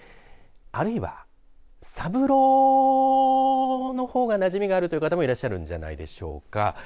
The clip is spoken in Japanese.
あるいは、さぶろーーの方がなじみのあるという方もいらっしゃるのではないでしょうか。